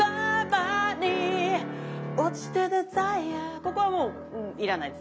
ここはもういらないです。